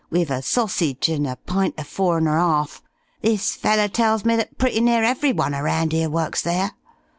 wiv a sossage an' a pint o' four and er 'arf, this feller tells me that pretty near everyone around here works there.